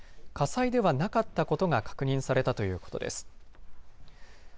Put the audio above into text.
火災ではなかったことが確認されたということです。